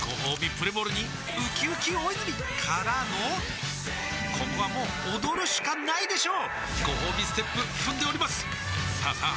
プレモルにうきうき大泉からのここはもう踊るしかないでしょうごほうびステップ踏んでおりますさあさあ